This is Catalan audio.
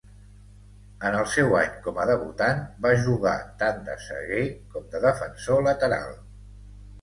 En el seu any com a debutant, va jugar tant de saguer com de defensor lateral.